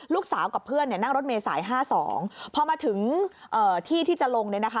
กับเพื่อนนั่งรถเมษาย๕๒พอมาถึงที่ที่จะลงเนี่ยนะคะ